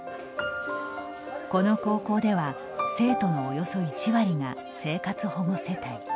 この高校では生徒のおよそ１割が生活保護世帯。